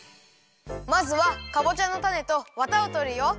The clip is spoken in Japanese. まずはかぼちゃのタネとワタをとるよ。